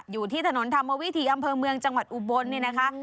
อยู่ที่ถนนธรรมวิถีอำเภอเมืองจังหวัดอุบลเนี่ยนะคะ